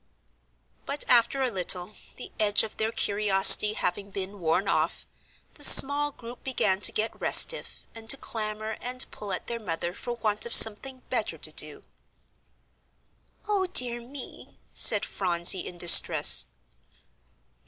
But after a little, the edge of their curiosity having been worn off, the small group began to get restive, and to clamour and pull at their mother for want of something better to do. "O dear me!" said Phronsie, in distress.